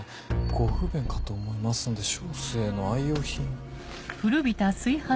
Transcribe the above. ご不便かと思いますので小生の愛用品」。